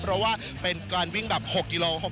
เพราะว่าเป็นการวิ่งแบบ๖กิโล